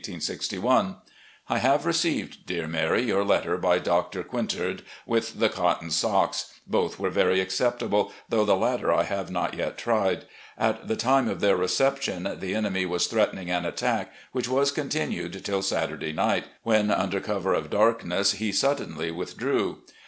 " I received, dear Mary, your letter by Doctor Quin tard, with the cotton socks. Both were very acceptable, though the latter I have not yet tried. At the time of their reception the enemy was threatening an attack, which was continued till Saturday night, when under cover of darkness he suddenly withdrew.